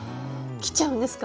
切っちゃうんですか？